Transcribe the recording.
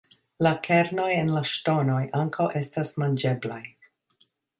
La kernoj en la ŝtonoj ankaŭ estas manĝeblaj.